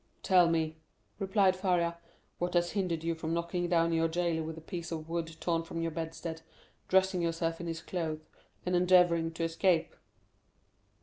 "Tell me," replied Faria, "what has hindered you from knocking down your jailer with a piece of wood torn from your bedstead, dressing yourself in his clothes, and endeavoring to escape?"